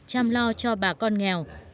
chăm lo cho bà con nghèo